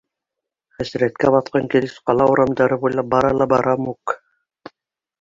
Хәсрәткә батҡан килеш ҡала урамдары буйлап бара ла бара Мук...